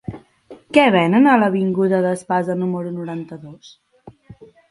Què venen a l'avinguda d'Espasa número noranta-dos?